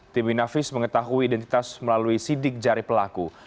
tim inavis mengetahui identitas melalui sidik jari pelaku